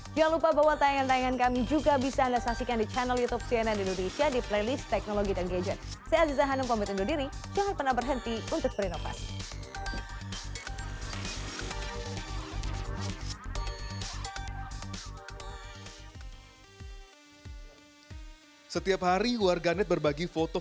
jangan lupa bahwa tayangan tayangan kami juga bisa anda saksikan di channel youtube cnn indonesia di playlist teknologi dan gadget